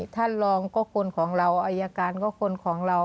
ท่านรองก็คนของเราอายการก็คนของเรา